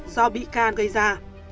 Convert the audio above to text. do bị can gây ra